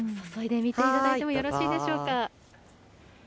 注いでみていただいてもよろしいでしょうか？